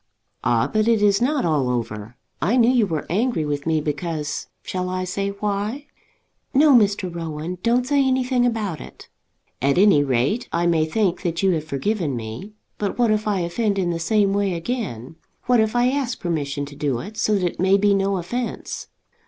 "Ah, but it is not all over. I knew you were angry with me because, shall I say why?" "No, Mr. Rowan, don't say anything about it." "At any rate, I may think that you have forgiven me. But what if I offend in the same way again? What if I ask permission to do it, so that it may be no offence?